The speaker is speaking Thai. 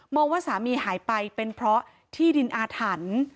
ว่าสามีหายไปเป็นเพราะที่ดินอาถรรพ์